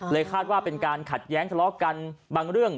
คาดว่าเป็นการขัดแย้งทะเลาะกันบางเรื่อง